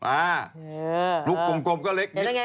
อ่ารูปวงกลมก็เล็กนิดนี่